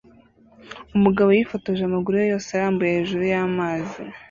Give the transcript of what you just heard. Umugabo yifotoje amaguru ye yose arambuye hejuru y'amazi